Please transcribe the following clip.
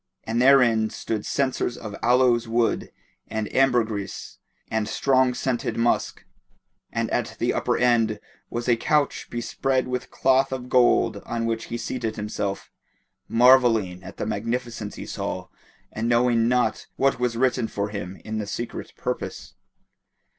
And therein stood censers of aloes wood and ambergris and strong scented musk, and at the upper end was a couch bespread with cloth of gold on which he seated himself, marvelling at the magnificence he saw and knowing not what was written for him in the Secret Purpose.